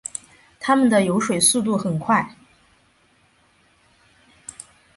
它们的游水速度很快。